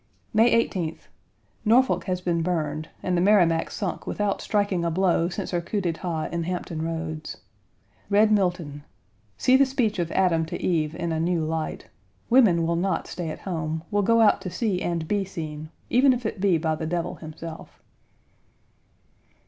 May 18th. Norfolk has been burned and the Merrimac sunk without striking a blow since her coup d'état in Hampton Roads. Read Milton. See the speech of Adam to Eve in a new light. Women will not stay at home; will go out to see and be seen, even if it be by the devil himself.